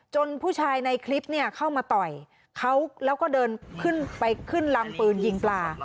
ผู้ชายในคลิปเนี่ยเข้ามาต่อยเขาแล้วก็เดินขึ้นไปขึ้นลำปืนยิงปลา